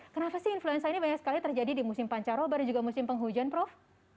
kenapa sih influenza ini banyak sekali terjadi di musim pancaroba dan juga musim penghujan prof